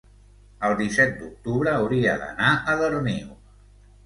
el disset d'octubre hauria d'anar a Darnius.